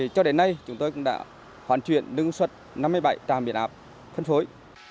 cho đến nay chúng tôi cũng đã hoàn truyền đứng xuất năm mươi bảy trạm biện áp phân phối